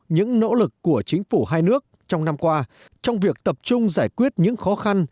những nỗ lực của chính phủ hai nước trong năm qua trong việc tập trung giải quyết những khó khăn